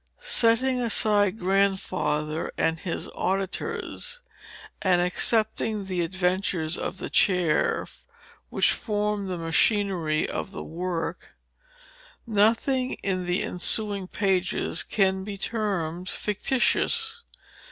Setting aside Grandfather and his auditors, and excepting the adventures of the Chair, which form the machinery of the work, nothing in the ensuing pages can be termed fictitious.